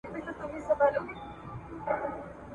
بهرني پورونه څنګه تائید کېږي؟